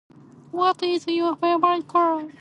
What is your favourite color?